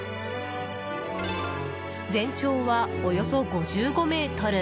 全長は、およそ５５ｍ。